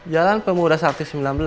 jalan pemuda sakti sembilan belas